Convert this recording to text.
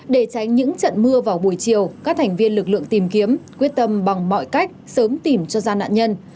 để tránh những trận mưa vào buổi chiều các thành viên lực lượng tìm kiếm quyết tâm bằng mọi cách sớm tìm cho gia nạn nhân